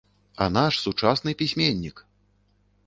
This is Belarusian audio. А наш сучасны пісьменнік!